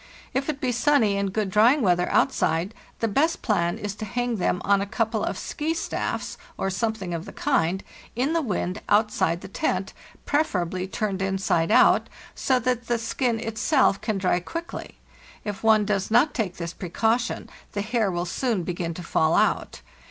If it be sunny and good drying weather outside, the best plan is to hang them on a couple of "ski" staffs, or something of the kind, in the wind outside the tent, preferably turned inside out, so that the skin itself can dry quickly. If one does not take this precaution the hair will soon begin to fall out.